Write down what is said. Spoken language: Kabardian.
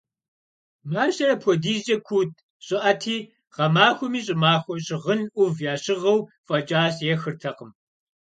Мащэр апхуэдизкӏэ куут, щӏыӏэти, гъэмахуэми щӏымахуэ щыгъын ӏув ящыгъыу фӏэкӏа ехыртэкъым.